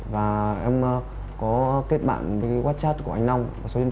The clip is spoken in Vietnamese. và em có kết bạn với whatsapp của anh long